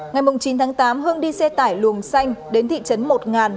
ngày chín tháng tám hương đi xe tải luồng xanh đến thị trấn một ngàn